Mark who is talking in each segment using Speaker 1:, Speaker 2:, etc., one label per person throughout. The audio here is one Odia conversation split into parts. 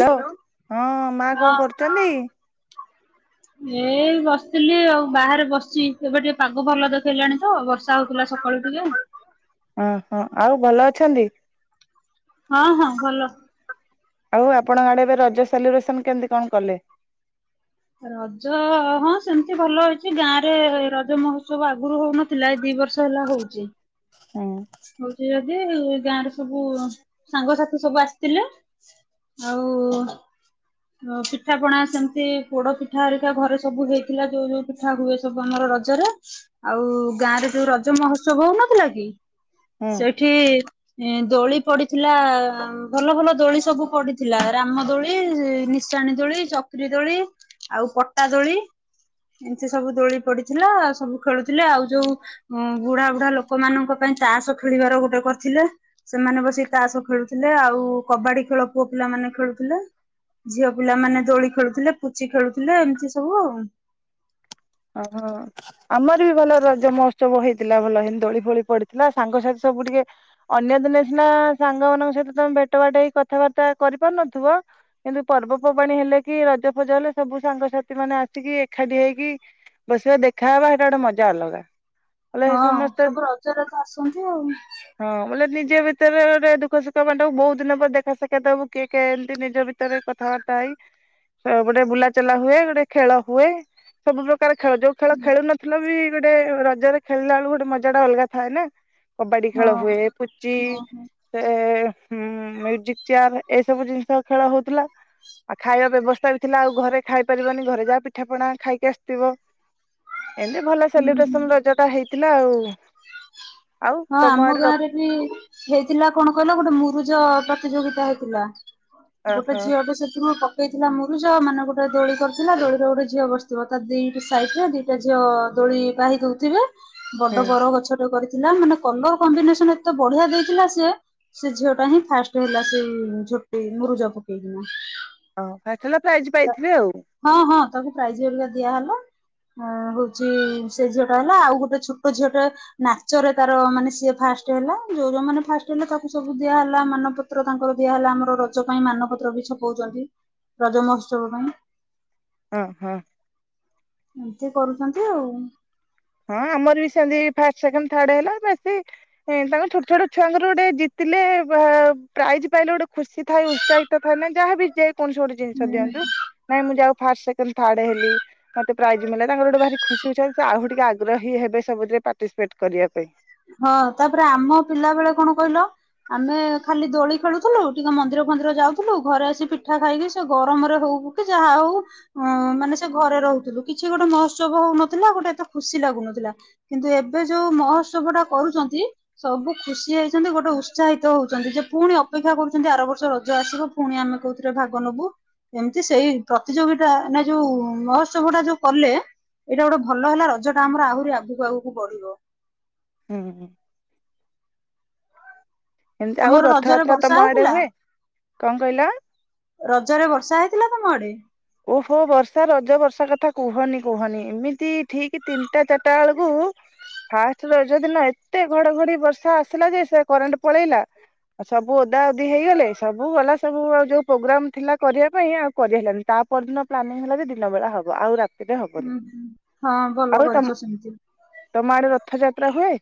Speaker 1: ହ୍ୟାଲୋ ହଁ ମା କଣ
Speaker 2: ହଁ।
Speaker 1: କରୁଛନ୍ତି?
Speaker 2: ଏଇ ବସିଥିଲି ଆଉ ବାହାରେ ବସିଛି ଏବେ ଟିକେ ପାଗ ଭଲ ଦେଖେଇଲାଣି ତ ବର୍ଷା ହଉଥିଲା ସ କାଳୁ ଟୁ ଯେ
Speaker 1: ଓହୋ ଆଉ ଭଲ ଅଛନ୍ତି?
Speaker 2: ହଁ ହଁ ଭଲ।
Speaker 1: ଆଉ ଆପଣଙ୍କ ଆଡେ ଏବେ ରଜ ସେଲିବ୍ରେସନ କେମିତି କଣ କଲେ?
Speaker 2: ରଜ ହଁ ସେମତି ଭଲ ହେଇଛି ଗାଁ ରେ ରଜ ମହୋତ୍ସବ ଆଗରୁ ହଉନ ଥିଲା ଦି ବର୍ଷ ହେଲା ହଉଛି।
Speaker 1: ହୁଁ।
Speaker 2: ହଉଛି ଯଦି ଗାଁରେ ସବୁ ସାଙ୍ଗସାଥି ସବୁ ଆସିଥିଲେ। ଆଉ ପିଠା ପଣା ସେମିତି ପୋଡ ପିଠା ହେରିକା ଘରେ ସବୁ ହେଇଥିଲା ଯୋଉ ଯୋଉ ଉଠା ହୁଏ ସବୁ ଆମର ରଜରେ ଆଉ ଗାଁ ରେ ଯୋଉ ରଜ ମହୋତ୍ସବ ହଉନଥିଲା କି
Speaker 1: ହୁଁ
Speaker 2: ସେଠି ଏ ଦୋଳି ପଡିଥିଲା ଭଲ ଭଲ ଦୋଳି ସବୁ ପଡିଥିଲା ରାମ ଦୋଳି ସାଣି ଦୋଳି ଚକିରିି ଦୋଳି ଆଉ ପଟା ଦୋଳି ଏମିତି ସବୁ ଦୋଳି ପଡିଥିଲା ସବୁ ଖେଳୁଥିଲେ ଆଉ ଯୋଉ ବୁଢା ବୁଢା ଲୋକମାନଙ୍କ ପାଇଁ ତାଷ ଖେଳିବାର ଗୋଟେ କରିଥିଲେ। ସେମାନେ ବସି ତାସ ଖେଳୁଥିଲେ ଆଉ କବାଡି ଖେଳ ପୁଅ ପିଲାମାନେ ଖେଳୁଥିଲେ। ଝିଅ ପିଲାମାନେ ଦୋଳି ଖେଳୁଥିଲେ ପୁଚି ଖେଳୁଥିଲେ ଏମିତି ସବୁ ଆଉ।
Speaker 1: ଓହୋ। ଆମର ବି ଭଲ ରଜ ମହୋତ୍ସବ ହେଇଥିଲା ଭଲ ହେ ଦୋଳି ଫୋଳି ପଡିଥିଲା ସାଙ୍ଗସାଥି ସବୁ ଟିକେ ଅନ୍ୟ ଦିନେ ସିନା ସାଙ୍ଗ ମଙ୍କ ସହିତ ତମେ ଭେଟ ବାଟ ହେଇ କଥାବାର୍ତ୍ତା କରିପାରୁନଥିବ କିନ୍ତୁ ପର୍ବପର୍ବାଣୀ ହେଲେ କି ରଜ ଫଜ ହେଲେ ସବୁ ସାଙ୍ଗସାଥି ମାନେ ଆସିକି ଏକାଠି ହେଇକି ବସିବା ଦେଖାହବା ସେଟା ଗୋଟେ ମଜା ଅଲଗା। ବୋଲେ
Speaker 2: ହଁ
Speaker 1: ସମସ୍ତେ
Speaker 2: ସବୁ ରଜ ରଜ ଆସନ୍ତି ଆଉ।
Speaker 1: ହଁ ବୋଲେ ନିଜ ଭିତରେ ଦୁଃଖ ସୁଖ ବାଣ୍ଟାକୁ ବହୁତ ଦିନ ପରେ ଦେଖା ସାଖା ଦବୁ କିଏ କେଏ ଏମିତି ନିଜ ଭିତରେ ଭିତରେ କଥାବାର୍ତ୍ତା ହେଇ ଗୋଟେ ବୁଲାଚଲା ହୁଏ ଗୋଟେ ଖେଳ ହୁଏ। ସବୁ ପ୍ରକାର ଖେଳ ଯୋଉ ଖେଳ ଖେଳୁନଥିଲ ବି ଗୋଟେ ରଜରେ ଖଳିଲା ବେଳକୁ ଗୋଟେ ମଜା ଟା ଅଲଗା ଥାଏ ନା କବାଡି
Speaker 2: ହଁ
Speaker 1: ଖେଳ ହୁଏ ପୁଚି
Speaker 2: ହଁ ହଁ ହୁଁ
Speaker 1: ସେ ମ୍ୟୁଜିକ ଚେୟାର ଏଇ ସବୁ ଜିନିଷ ଖେଳ ହଉଥିଲା। ଆଉ ଖାଇବା ବ୍ୟବସ୍ଥା ବି ଥିଲା ଆଉ ଘରେ ଖାଇ ପାରିବନି ଘରେ ଯାହା ପିଠା ପଣା ଖାଇକି ଆସିଥିବ। ଏମତି ଭଲ ସେଲିବ୍ରେସନ
Speaker 2: ହୁଁ
Speaker 1: ରଜ ଟା ହେଇଥିଲା ଆଉ ଆଉ
Speaker 2: ହଁ
Speaker 1: ତମ
Speaker 2: ଆମ
Speaker 1: ଆଡେ ର
Speaker 2: ଗାଁ ରେ ବି ହେଇଥିଲା କଣ କହିଲ ଗୋଟେ ମୁରୁଜ ପ୍ରତିଯୋଗିତା ହେଇଥିଲା। ଗୋଟେ
Speaker 1: ଓହୋ
Speaker 2: ଝିଅ ଟେ ସେଠରୁ ହେଇଥିଲା ମୁରୁଜ ମାନେ ଗୋଟେ ଦୋଳି କରିଥିଲା ଦୋଳିରେ ଗୋଟେ ଝିଅ ବସିଥିବ ତା ଦି ଟି ସାଇଟ୍ ରେ ଦି ସେ ଝିଅ ଦୋଳି ପାହି ଦଉଥିବେ
Speaker 1: ହୁଁ।
Speaker 2: ବଡ ବର ଗଛ ଟେ କରିଥିଲା ମାନେ କଲର କମ୍ବିନେସନ ଏତେ ବଢିଆ ଦେଇଥିଲା ସେ ସେ ଝିଅ ଟା ହିଁ ଫାଷ୍ଟ ହେଲା ସେ ଝୋଟି ମୁରୁଜା ପକେଇକିନା।
Speaker 1: ଓ ଫାଷ୍ଟ୍ ହେଲା ପ୍ରାଇଜ୍ ପାଇଥିବେ ଆଉ।
Speaker 2: ହଁ ହଁ ତାକୁ ପ୍ରାଇଜ ଘରିକା ଦିଆହେଲା। ହଁ ହଉଛି ସେ ଝିଅ ଟା ହେଲା ଆଉ ଗୋଟେ ଛୋଟ ଝିଅ ଟା ନାଚରେ ତାର ମାନେ ସିଏ ଫାଷ୍ଟ ହେଲା ଯୋଉ ଯୋଉ ମାନେ ଫାଷ୍ଟ ହେଲେ ତାକୁ ସବୁ ଦିଆ ହେଲା ମାନପ ତ୍ର ତାଙ୍କର ଦିଆହଲା। ଆମର ରଜ ପାଇଁ ମାନପତ୍ର ବି ଛପଉଛନ୍ତି ରଜ ମହୋତ୍ସବ ପାଇଁ।
Speaker 1: ହଁ ହଁ।
Speaker 2: ଏମିତି କରୁଛନ୍ତି ଆଉ।
Speaker 1: ହଁ ଆମର ବି ସେମିତି ଫାଷ୍ଟ ସେକଣ୍ଡ ଥାର୍ଡ ହେଲା ବେଶୀ ହଁ ତାଙ୍କ ଛୋଟ ଛୋଟ ଛୁଆଙ୍କର ଗୋଟେ ଜିତିଲେ ପ୍ରା ପ୍ରାଇଜି ପାଇଲେ ଗୋଟେ ଖୁସି ଥାଏ ଉ ଚାଇତ ଫେଏନେ ଯାହା ବି ଯେକୌଣସି ଗୋଟେ ଜିନିଷ
Speaker 2: ହୁଁ।
Speaker 1: ଦିଅନ୍ତୁ। ନାଇଁ ମୁଁ ଯାହୋଉ ଫାର୍ଷ୍ଟ ସେକେଣ୍ଡ ଥାର୍ଡ ହେଲି ମତେ ପ୍ରାଇଜି ମିଲଲା ତାଙ୍କର ଗୋଟେ ଭାରି ଖୁସି ଉତ୍ସାହିତ ଆହୁଟିକେ ଆଗ୍ ଆଗ୍ରହୀ ହେବେ ସବୁଥିରେ ପାର୍ଟିସପେଟ କରିବା ପାଇଁ।
Speaker 2: ହଁ ତାପରେ ଆମ ପିଲା ବେଳେ କଣ କହିଲ ଆମେ ଖାଲି ଦୋଳି ଖେଳୁଥିଲୁ ଟିକେ ମନ୍ଦିର ଫନ୍ଦିର ଯାଉଥିଲୁ ଘରେ ଆସି ପିଠା ଖାଇକି ସେ ଗରମରେ ହଉ କି ଯାହା ହଉ ଅ ମାନେ ସେ ଘରେ ରହୁଥିଲୁ କିଛି ଗୋଟେ ମହୋତ୍ସବ ହଉନଥିଲା ଗୋଟେ ଏତେ ଖୁସି ଲାଗୁନଥିଲା କିନ୍ତୁ ଏବେ ଯୋଉ ମହୋତ୍ସବ ଟା କରୁଚନ୍ତି ସବୁ ଖୁସି ହେଇଛନ୍ତି ଗୋଟେ ଉତ୍ସାହିତ ହଉଚନ୍ତି ଯେ ପୁଣି ଅପେକ୍ଷା କରୁଛନ୍ତି ଆର ବର୍ଷ ରଜ ଆସିବ ପୁଣି ଆମେ କୋଉଥିରେ ଭାଗ ନୋବୁ? ଏମିତି ସେଇ ପ୍ରତିଯୋଗିତା ନା ଯୋଉ ମହୋତ୍ସବ ଟା ଯୋଉ କଲେ ଏଇଟା ଗୋଟେ ଭଲ ହେଲା ରଜଟା ଆମର ଆହୁରି ଆଗକୁ ଆଗକୁ ବଢିବ।
Speaker 1: ହୁଁ ହୁଁ। ଏମିତି ଆଉ
Speaker 2: ତମର ରଜରେ
Speaker 1: ରଥଯାତ୍ରା
Speaker 2: ବର୍ଷା
Speaker 1: ତମ ଆଡେ
Speaker 2: ହେଇଥିଲା
Speaker 1: ହୁଏ କଣ କହିଲ?
Speaker 2: ରଜରେ ବର୍ଷା ହେଇଥିଲା ତମ ଆଡେ?
Speaker 1: ଓହୋ ବର୍ଷା ରଜ ବର୍ଷା କଥା କୁହନି କୁହନି ଏମିତି ଠିକ୍ ତିନିଟା ଚାରିଟା ବେଳକୁ ଫାଷ୍ଟେ ରଜ ଦିନ ଏତେ ଘଡଘଡି ବର୍ଷା ଆସିଲା ଯେ ସେ କରେଣ୍ଟ ପଳେଇଲା। ଆଉ ସବୁ ଓଦା ଓଦି ହେଇଗଲେ ସବୁ ଗଲା ସବୁ ଆଉ ଯୋଉ ପ୍ରୋଗ୍ରାମ ଥିଲା କରିବା ପାଇଁ ଆଉ କରିହେଲାନିହିଁ। ତା ପରଦିନ ପ୍ଲାନିଂ ହେଲା ଯେ ଦିନ ବେଳା ହବ ଆଉ ରାତି
Speaker 2: ହୁଁ ହୁଁ ହଁ ଭଲ
Speaker 1: ତମ
Speaker 2: କରିଚ ସେମିତି।
Speaker 1: ତମ ଆଡେ ରଥଯାତ୍ରା ହୁଏ?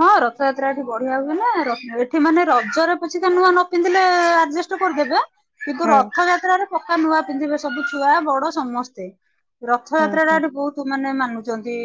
Speaker 2: ହଁ ରଥଯାତ୍ରା ଏଠି ବଢିଆ ହୁଏ ନା ଏଠି ମାନେ ରଜରେ ପଛିକା ନୂଆ ନ ପିନ୍ଧିଲେ ଆଡଯେଷ୍ଟ କରିଦେବେ କିନ୍ତୁ
Speaker 1: ହଁ
Speaker 2: ରଥଯାତ୍ରାରେ ପକ୍କା ନୂଆ ପିନ୍ଧିବେ ସବୁ ଛୁଆ ବଡ ସମସ୍ତେ।
Speaker 1: ହଁ
Speaker 2: ରଥଯାତ୍ରା ଟା
Speaker 1: ହଁ।
Speaker 2: ଏଠି ବହୁତ ମାନେ ମାନୁଚନ୍ତି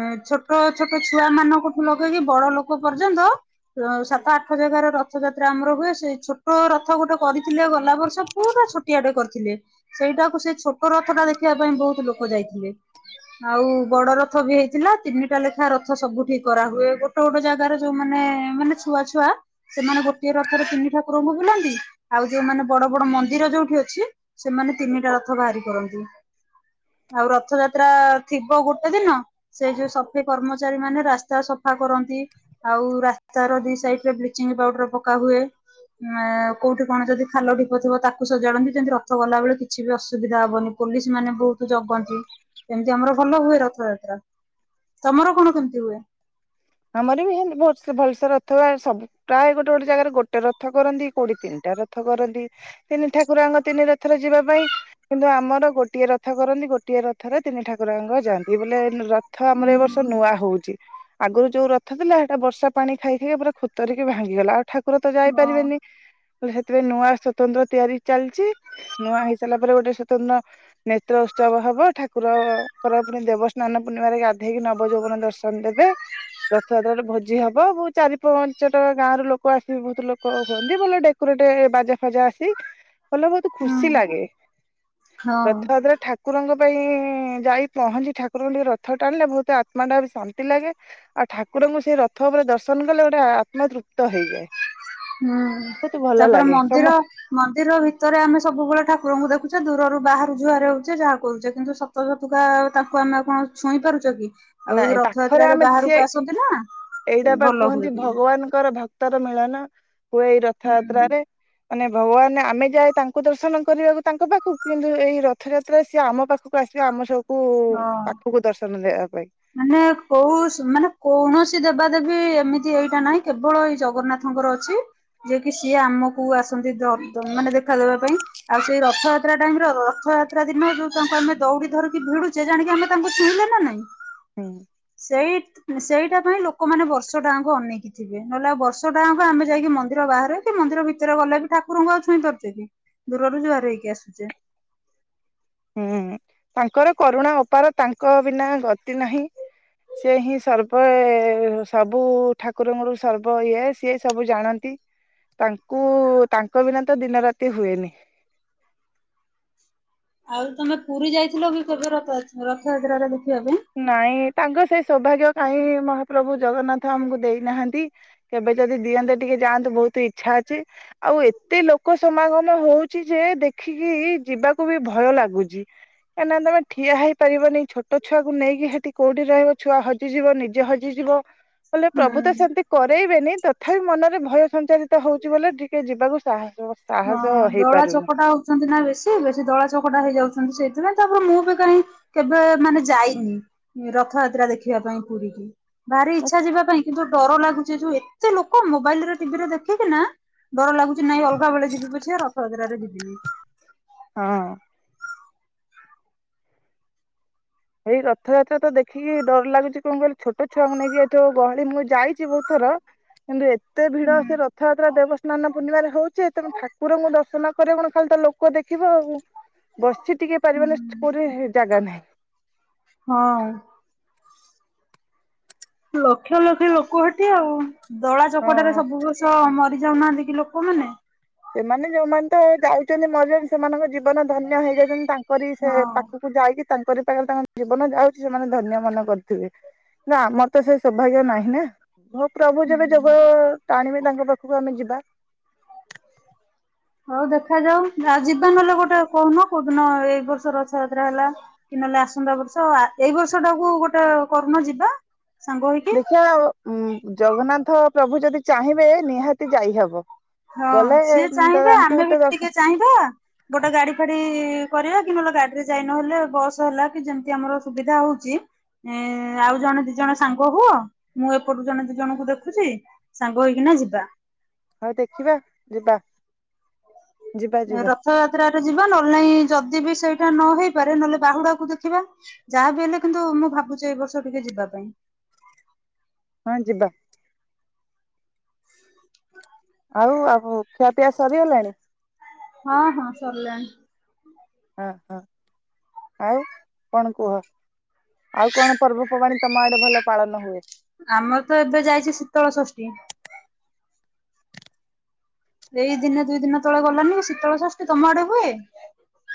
Speaker 2: ଏଁ ଛୋଟ ଛୋଟ ଛୁଆ ମାନଙ୍କଠୁ କି ଯୋଉ ଟା କି ବଡ଼ ଲୋକ ପର୍ଯ୍ୟନ୍ତ ସାତ ଆଠ ଜାଗାଟେ ରଥ ଯାତ୍ରା ଆମର ହୁଏ ସେ ଛୋଟ ରଥ ଗୋଟେ କରିଥିଲେ ଗଲା ବର୍ଷ ପୁରା ଛୋଟ। ଛୋଟିଆଟିଏ କରିଥିଲେ ସେଇଟାକୁ ସେ ଛୋଟ ରଥ ଟା ଦେଖିବା ପାଇଁ ବୋଉହୁତ ଲୋକ ଯାଇଥିଲେ। ଆଉ ବଡ ରଥ ବି ହେଇଥିଲା ତିନିଟା ଲେଖାଏ ରଥ ସବୁ ଠିକରାହୁଏ। ଗୋଟେ ଗୋଟେ ଜାଗାରେ ଯୋଉ ମାନେ ମାନେ ଛୁଆ ଛୁଆ ସେମାନେ ଗୋଟିଏ ରଥରେ ତିନି ଠାକୁରଙ୍କୁ ବୁଲାନ୍ତି ଆଉ ଯୋଉ ମାନେ ବଡ ବଡ ମନ୍ଦିର ଯୋଉଠି ଅଛି। ସେମାନେ ତିନିଟା ରଥ ବାହାରି କରନ୍ତି। ଆଉ ରଥଯାତ୍ରା ଥିବ ଗୋଟେ ଦିନ ସେଇ ଯୋଉ ସଫେଇ କର୍ମଚାରୀ ମାନେ ରାସ୍ତା ସଫ ସଫା କରନ୍ତି ଆଉ ରାସ୍ତାର ଦିଇ ସାଇଟି ରେ ବ୍ଲିଚିଂ ପାଉଡର ପକା ହୁଏ। ଉ କୋଉଠି କଣ ଯଦି ଖାଲ ଢିପ ଥିବ ତାକୁ ସଜାଡ଼ନ୍ତି ଯେମିତି ରଥ ଗଲା ବେଳେ କିଛି ବି ଅସୁବିଧା ହବନି। ପୋଲିସ ମାନେ ବହୁତ ଜଗନ୍ତି। ଏମିତି ଆମର ଭଲ ହୁଏ ରଥଯାତ୍ରା। ତମର କଣ କେମିତି ହୁଏ?
Speaker 1: ଆମର ବି ହେଁ ମିତି ଭ ଭଲସେ ରଥ ହୁଏ ସବୁ ପ୍ରାୟ ଗୋଟେ ଗୋଟେ ଜାଗାରେ ଗୋଟେ ରଥ କରନ୍ତି କୋଉଠି ତିନିଟା ରଥ କରନ୍ତି। ତିନି ଠାକୁରଆଙ୍କ ତିନି ରଥରେ ଯିବା ପାଇଁ। କିନ୍ତୁ ଆମର ଗୋଟିଏ ରଥ କରନ୍ତି ଗୋଟିଏ ରଥରେ ତିନି ଠାକୁରଆଙ୍କ ଯାଆନ୍ତି ବୋଲେ ଥ
Speaker 2: ହୁଁ
Speaker 1: ଆମର ଏ
Speaker 2: ହୁଁ।
Speaker 1: ବର୍ଷ ନୂଆ ହଉଚି ଆଗରୁ ଯୋଉ ରଥ ଥିଲା ହେଟା ବର୍ଷା ପାଣି ଖାଇଖାଇ ପୁରା ଖୁତରିକି ଭାଙ୍ଗିଗଲା ଆଉ ଠାକୁର ତ
Speaker 2: ହଁ
Speaker 1: ଯାଇପାରିବେନି। ସେଥିରେ ନୂଆ ସ୍ୱତନ୍ତ୍ର ତିଆରି ଚାଲିଚି। ନୂଆ ହେଇସାରିଲା ପରେ ଗୋଟେ ସ୍ୱତନ୍ତଣ୍ଣ ନେତ୍ର ଉତ୍ସବ ହବ ଠାକୁରଙ୍କର ପୁଣି ଦେବ ସ୍ନାନ ପୂର୍ଣ୍ଣିମାାରେ ଗାଧେଇକି ନବ ଯୌବନ ଦର୍ଶନ ଦେବେ। ରଥଯାତ୍ରାରେ ଭୋଜି ହବ ବହୁ ଚାରି ପାଞ୍ଚଟା ଗାଁ ର ଲୋକ ଆସିକି ବହୁତ ଲୋକ ହୁଅନ୍ତି ଭଲ ଡା କୁର ଟେ ବାଜା ଫାଜା ଆସି କଲ ବହୁତୁ ଖୁସି
Speaker 2: ହୁଁ
Speaker 1: ଲାଗେ
Speaker 2: ହଁ।
Speaker 1: ରଥଯାତ୍ରା ଠା ଠାକୁରଙ୍କ ପାଇଁ ଯାଇ ପହଞ୍ଚି ଠାକୁରଙ୍କୁ ଟିକେ ରଥ ଟାଣିଲେ ବହୁତ ଆତ୍ମା ଟା ବି ଶାନ୍ତି ଲାଗେ ଆଉ ଠାକୁରଙ୍କୁ ସେଇ ରଥ ଉପରେ ଦର୍ଶନ କଲେ ଗୋଟେ ଆତ୍ମାତୃପ୍ତ ହେଇଯାଏ।
Speaker 2: ହୁଁ
Speaker 1: ବହୁତ ଭଲ
Speaker 2: ତାପରେ
Speaker 1: ଲାଗେ ସମ
Speaker 2: ମନ୍ଦିର ମନ୍ଦିର ଭିତରେ ଆମେ ସବୁବେଳେ ଠାକୁରଙ୍କୁ ଦେଖୁଛେ ଦୂରରୁ ବାହାରୁ ଯୁହରହଉଚେ ଯାହା କହୁଛେ କିନ୍ତୁ ତତକା ତାଙ୍କୁ ଆମେ କଣ ଛୁଇଁ ପାରୁଛ କି? ଆଉ ଏଇ
Speaker 1: ନାଇଁ ପାଖରେ
Speaker 2: ରଥଯାତ୍ରାରେ
Speaker 1: ଆମେ
Speaker 2: ବାହାରକୁ
Speaker 1: ସିଏ
Speaker 2: ଆସନ୍ତି ନା ସେ
Speaker 1: ଏଇଟା ବା
Speaker 2: ଭଲ ହୁଏ
Speaker 1: କୁହନ୍ତି
Speaker 2: ଟିକେ
Speaker 1: ଭଗବାନଙ୍କର ଭକ୍ ତର ମିଳନ ହୁଏ ଏଇ
Speaker 2: ହୁଁ
Speaker 1: ରଥଯାତ୍ରାରେ। ମାନେ ଭଗବାନ ଆମେ ଯାଏ ତାଙ୍କୁ ଦର୍ଶନ କରିବାକୁ ତାଙ୍କ ପାଖକୁ କିନ୍ତୁ ଏଇ ରଥଯାତ୍ରା ସିଏ ଆମ ପାଖକୁ ଆସିବା ଆମ ସବକୁୁ
Speaker 2: ହଁ।
Speaker 1: ପାଖକୁ ଦର୍ଶନ ଦେବା ପାଇଁ।
Speaker 2: ମାନେ କୋଉ ମାନେ କୌଣସି ଦେବାଦେବୀ ଏମିତି ଏଇଟା ନାହିଁ କେବଳ ଏଇ ଜଗନ୍ନାଥ ଙ୍କର ଅଛି ଯିଏ କିି ସିଏ ଆମକୁ ଆସନ୍ତି ମାନେ ଦେଖା ଦେବା ପାଇଁ। ଆଉ ସେଇ ରଥଯାତ୍ରା ଟାଙ୍କି ରଥଯାତ୍ରା ଦିନ ଯୋଉ ତାଙ୍କୁ ଆମେ ଦୌଡି ଧରିକି ଭିଡୁଛେ ଜାଣିକି ଆମେ ତାଙ୍କୁ ଛୁଇଁଲେ ନା ନାଇଁ?
Speaker 1: ହୁଁ।
Speaker 2: ସହିତ ସେଇଟା ପାଇଁ ଲୋକମାନେ ବର୍ଷ ଟାଙ୍କୁ ଅନେଇକି ଥିବେ ନହେଲେ ବର୍ଷ ଟାଙ୍କୁ ଆମେ ଯାଇକି ମନ୍ଦିର ବାହାରେ ମନ୍ଦିର ଭିତରେ ଗଲେ ବି ଠାକୁରଙ୍କୁ ଆଉଛଇଁ ପାରୁଛେ କି ଦୂରରୁ ଯୁହାର ହେଇକି ଆସୁଚେ।
Speaker 1: ହୁଁ ତାଙ୍କର କରୁଣା ଉପାର ତାଙ୍କ ବିନା ଗତି ନାହିଁ ସି ହିଁ ସର୍ବ ସବୁ ଠାକୁରଙ୍କର ସର୍ବ ଇଏ ସିଏ ସବୁ ଜାଣନ୍ତି। ତାଙ୍କୁ ତାଙ୍କ ବିନା ତ ଦିନ ରାତି ହୁଏନି।
Speaker 2: ଆଉ ତମେ ପୁରୀ ଯାଇଥିଲ ବି କେବେ ରଥଯାତ୍ରାରେ ଦେଖିବା ପାଇଁ।
Speaker 1: ନାଇଁ ତାଙ୍କ ସେଇ ସୌଭାଗ୍ୟ କାହିଁ ମହାପ୍ରଭୁ ଜଗନ୍ନାଥ ଆମକୁ ଦେଇନାହାନ୍ତି କେବେ ଯଦି ଦିଅନ୍ତେ ଟିକେ ଯାଆନ୍ତୁ ବହୁତ ଇଚ୍ଛା ଅଛି। ଆଉ ଏତେ ଲୋକ ସମାଗମ ହଉଛି ଯେ ଦେଖିକି ଯିବାକୁ ବି ଭୟ ଲାଗୁଛି। କାଁ ନା ତମେଠିଆ ହେଇ ପାରିବନି ଛୋଟ ଛୁଆକୁ ନେଇକି ସେଠି କୋଉଠି ରହିବ ଛୁଆ ହଜିଯିବ ନିଜେ ହଜିଯିବ। କଲେ ପ୍ରଭୁ ତ
Speaker 2: ହୁଁ
Speaker 1: ସେମିତି କରରେଇବେନି ତ ତଥାପି ମନରେ ଭୟ ସଞ୍ଚାରିତ ହଉଛି ବଲେ ଟିକେ ଯିବାକୁ ସାହସ
Speaker 2: ହଁ
Speaker 1: ସାହସ
Speaker 2: ଦଳା
Speaker 1: ହେଇପାରୁନି
Speaker 2: ଚକଟା ଆଉ ନା ବେଶୀ ବେଶୀ ଦଳା ଚକଟା ହେଇଯାଉଛନ୍ତି। ସେଇଥିପାଇଁ ତାପରେ ମୁଁ ବି କାହିଁ କେବେ ମାନେ ଯାଇନି ରଥଯାତ୍ରା ଦେଖିବା ପାଇଁ ପୁରୀ କିି। ଭାରି ଇଚ୍ଛା ଯିବା ପାଇଁ କିନ୍ତୁ। ଡର ଲାଗୁଛି ଯୋଉ ଏତେ ଲୋକ ମୋବାଇଲ ରେ ଟିଭି ରେ ଦେଖିକି ନା ଡର ଲାଗୁଛି ନାଇଁ ଅଲ। ସା ବବେଳେ ଯିବି ପଛେ ରଥଯାତ୍ରାରେ ଯିବିନି।
Speaker 1: ହଁ ଏଇ ରଥଯାତ୍ରା ତ ଦେଖିକି ଡର ଲାଗୁଛି କଣ କହିଲୁ ଛୋଟ ଛୁଆଙ୍କୁ ନେଇକି ଏଠ ଗହଳି ମୁଁ ଯାଇଛି ବହୁତ ଥର କିନ୍ତ [inaudible] ଏତେ ଭିଡ ସେ ରଥଯାତ୍ରା ଦେବସ୍ନାନ ପୂର୍ଣ୍ଣିମାରେ ହେଉଛି ତେ ଠାକୁରଙ୍କୁ ଦର୍ଶନ କରେ କଣ ଖାଲି ତା ଲୋକ ଲୋକ ଦେଖିବ ଆଉ ବସି ଟିକେ ପାରିବନି କୋଉଠି ଜାଗା ନାହିଁ।
Speaker 2: ହଁ! ଲକ୍ଷ ଲକ୍ଷ ଲୋକ ହେଠେ ଆଉ ଦଳା ଚକଟରେ
Speaker 1: ହଁ
Speaker 2: ସବୁ ବର୍ଷ ମରି ଯାଉନାହାନ୍ତି କି ଲୋକ- କ ମାନେ
Speaker 1: ସେମାନେ ଯୋଉମାନେ ତ ଯାଇଛନ୍ତି ମଜ ସେମାନଙ୍କ ଜୀବନ ଧନ୍ୟ ହେଇଯାଇଛନ୍ତି ତାଙ୍କରି ସେ
Speaker 2: ହଁ।
Speaker 1: ପାଖ- ଯାଇକି ତାଙ୍କର ପାଖେ ତାଙ୍କ ଜୀବନ ଯାଉଛି ସେମାନେ ଧନ୍ୟ ମନ କରିୁଥିବେ। ନା ମର ତ ସେଇ ସୌଭାଗ୍ୟ ନାହିଁ ନା। ହୋ ପ୍ରଭୁ ଯେବେ
Speaker 2: ହୁଁ।
Speaker 1: ଯୋଗ ଟାଣିବେ ତାଙ୍କ ପାଖକୁ ଆମେ ଯିବା।
Speaker 2: ହଉ ଦେଖାଯାଉ ଯିବା ନହେଲେ ଗୋଟେ କହୁନ କୋଉଦିନ ଏଇ ବର୍ଷ ରଥଯାତ୍ରା ହେଲା। କି ନହେଲେ ଆସନ୍ତା ବର୍ଷ ଏଇ ବର୍ଷ ଟାକୁ ଗୋଟେ କରୁନା ଯିବା। ସାଙ୍ଗ ହେଇକି
Speaker 1: ଦେଖିବା ଉ ଜଗନ୍ନାଥ ପ୍ରଭୁ ଯଦି ଚାହିଁବେ ନିହାତି ଯାଇହବ।
Speaker 2: ହଁ
Speaker 1: ଗଲେ
Speaker 2: ସିଏ
Speaker 1: ତ
Speaker 2: ଚାହିଁବେ
Speaker 1: ତାଙ୍କୁ
Speaker 2: ଆମେ ବି
Speaker 1: ତ ଦର୍ଶ
Speaker 2: ଟିକେ ଚାହିଁବା ଗୋଟେ ଗାଡି ଫାଡି କରିବା କି ନହେଲେ ଗାଡିରେ ଯାଇ ନହେଲେ ବସ ହେଲା କି ଯେମିତି ଆମର ସୁବିଧା ହଉଛି ଏଁ ଆଉ ଜଣେ ଦି ଜଣ ସାଙ୍ଗ ହୁଅ ମୁଁ ଏପଟୁ ଜଣେ ଦି ଜଣଙ୍କୁ ଦେଖୁଛି ସାଙ୍ଗ ହେଇକିନା ଯିବା।
Speaker 1: ହଉ ଦେଖିବା ଯିବା ଯିବା ଯିବା।
Speaker 2: ରଥ ଯାତ୍ରାରେ ଯିବା ନହେଲେ ନାଇଁ ଯଦି ବି ସେଇଟା ନ ହେଇପାରେ ନହେଲେ ବାହୁଡାକୁ ଦେଖିବା। ଯାହାବି ହେଲେ କିନ୍ତୁ ମୁଁ ଭାବୁଛି ଏ ବର୍ଷ ଟିକେ ଯିବା ପାଇଁ।
Speaker 1: ହଁ ଯିବା।
Speaker 2: ହ [unintelligible]
Speaker 1: ଆଉ ଆଉ ଖିଆପିଆ ସରିଗଲାଣି?
Speaker 2: ହଁ ହଁ ସରିଲାଣି।
Speaker 1: ହଁ ହଁ ଆଉ କଣ କୁହ? ଆଉ କଣ ପର୍ବପର୍ବାଣି ତମ ଆଡେ ଭଲ ପାଳନ ହୁଏ?
Speaker 2: ଆମର ତ ଏବେ ଯାଇଛି ଶୀତଳ ଷଷ୍ଠୀ। ଏଇ ଦିନେ ଦୁଇ ଦିନ ତଳେ ଗଲାନିକି ଶୀତଳ ଷଷ୍ଠୀ ତମ ଆଡେ ହୁଏ?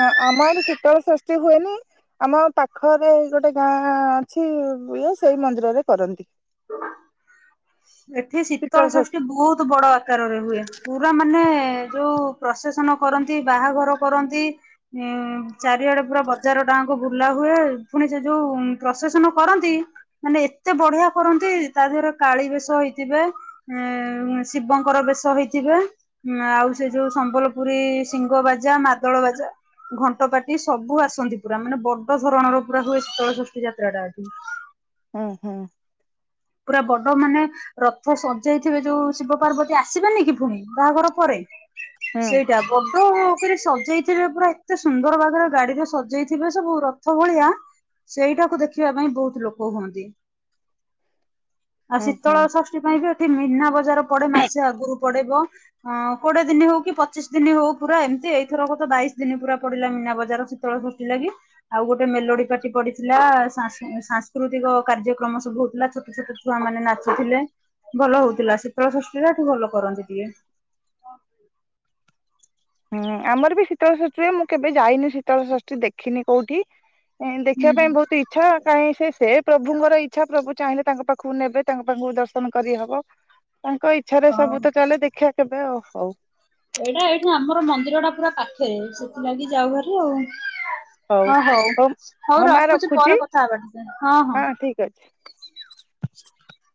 Speaker 1: ହଁ ଆମ ଆଡେ ଶୀତଳ ସଷ୍ଠି ହୁଏନି! ଆମ ଗାଁ ପାଖରେ ଗୋଟେ ଗାଁ ଅଛି ଇଏ ସେଇ ମନ୍ଦିରରେ କରନ୍ତି।
Speaker 2: ଏଠି ଶୀତଳ ସଷ୍ଠି ବହୁତ ବଡ ଆକା ଆକାରେ ହୁଏ ପୁରା ମାନେ ଯୋଉ ପ୍ରସେସନ କରନ୍ତି ବାହାଘର କରନ୍ତି। ଉଁ ଚାରିଆଡେ ପୁରା ବଜାରଟା ଯାଙ୍କ ବୁଲା ହୁଏ ପୁଣି ସେ ଯୋଉ ପ୍ରସେସନ କରନ୍ତି ମାନେ ଏତେ ବଢିଆ କରନ୍ତି ତା ଦେହରେ କାଳି ବେଶ ହେଇଥିବେ। ଉଁ ଶିବଙ୍କର ବେଶ ହେଇଥିବ। ହଁ ଆଉ ସେ ଯୋଉ ସମ୍ବଲପୁରୀ ଶିଙ୍ଗ ବାଜା ମାଦଳ ବାଜା। ଘଣ୍ଟପାଟି ସବୁ ଆସନ୍ତି ପୁରା ମାନେ ବଡ ଧରଣର ପୁରା ହୁଏ ଶୀତଳ ଷଷ୍ଠୀ ଯାତ୍ରା ଟା ଏଠି।
Speaker 1: ଉଁ ହୁଁ।
Speaker 2: ପୁରା ବଡ ମାନେ ରଥ ସଜାଇଥିବେ ଯୋଉ ଶିବ ପାର୍ବତୀ ଆସିବେନି କି ଫୁଣି ବାହାଘର ପରେ।
Speaker 1: ହୁଁ
Speaker 2: ସେଇଟା ବଡ଼ ଅ ପରି ସଜେଇଥିବେ ପୁରା ଏତେ ସୁନ୍ଦର ବାଗରେ ଗାଡିକୁ ସଜେଇଥିବେ ସବୁ ରଥ ଭଳିଆ ସେଇଟାକୁ ଦେଖିବା ପାଇଁ ବହୁତ ଲୋକ ହୁଅନ୍ତି। ଆଉ
Speaker 1: ହୁଁ ହୁଁ
Speaker 2: ଶୀତଳ ଷଷ୍ଠୀ ପାଇଁ ବି ଏଠି ମିନା ବଜାର ପଡେ ମାସେ ଆଗରୁ ପଡେଇବ। ହଁ କୋଡିଏ ଦିନ ହଉ କି ପଚିଶ ଦିନି ହଉ ପୁରା ଏମିତି ଏଇଥରକ ତ ବାଇଶ ଦିନ ପୁରା ପଡିଲା ମୀନା ବଜାର। ଶୀତଳ ଷଷ୍ଠି ଲାଗି! ଆଉ ଗୋଟେ ମେଲୋଡି ପାର୍ଟି ପଡିଥିଲା ସାସଂ ସାଂସ୍କୃତିକ କାର୍ଯ୍ୟକ୍ରମ ସବୁ ହଉଥିଲା ଛୋଟ ଛୋଟ ଛୁଆ ମାନେ ନାଚୁଥିଲେ ଭଲ ହଉଥିଲା ଶୀତଳ ସଷ୍ଠି ଟା ଏଠି ଭଲ କରନ୍ତି ଟିକେ।
Speaker 1: ହୁଁ ଆମର ବି ଶୀତଳ ଷଷ୍ଠୀ ହୁଏ ମୁଁ କେବେ ଯାଇନି ଶୀତଳ ଷଷ୍ଠୀ ଦେଖିନି କୋଉଠି ଇଁ ଦେଖିବା
Speaker 2: ହୁଁ
Speaker 1: ପାଇଁ
Speaker 2: ହୁଁ।
Speaker 1: ବହୁତ ଇ ଛା କାଇଁ ସେ ପ୍ରଭୁଙ୍କର ଇଚ୍ଛା ପ୍ରଭୁ ଚାହିଁଲେ ତାଙ୍କ ପାଖକୁ ନେବେ ତାଙ୍କ ପାଖକୁ ଦର୍ଶନ କରିହବ। ତାଙ୍କ ଇଚ୍ଛାରେ
Speaker 2: ହଉ
Speaker 1: ସବୁ ତ ଚାଲେ ଦେଖିବା କେବେ ହଉ।
Speaker 2: ଏଇଟା ଏଇଠି ଆମର ମନ୍ଦିର ଟା ପୁରା ପାଖରେ ସେଥିଲାଗି ଯାଉ ଭାରି ଆଉ। ହଁ ହଉ ହଉ ରଖୁଛି ପରେ କଥା ହବା ଟିକେ। ହଁ ହଁ
Speaker 1: ଠିକ୍ ଅଛି।
Speaker 2: [unintelligible]